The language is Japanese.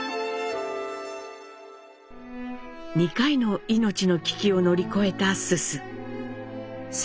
２回の命の危機を乗り越えた蘇蘇。